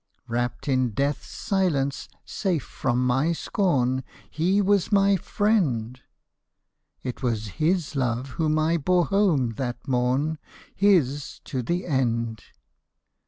Wrapped in death's silence, safe from my scorn ; He was my friend : It was his love whom I bore home that morn, His to the end